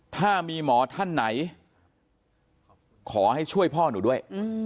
ถ้ามีหมอท่านไหนขอให้ช่วยพ่อหนูด้วย